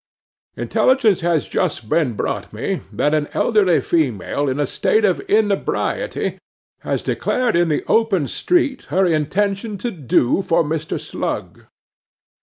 'Intelligence has just been brought me, that an elderly female, in a state of inebriety, has declared in the open street her intention to "do" for Mr. Slug.